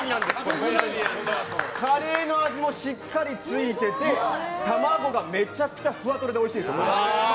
カレーの味もしっかりついていて卵がめちゃくちゃふわとろでおいしいです。